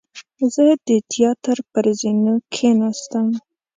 زه د تیاتر پر زینو کېناستم.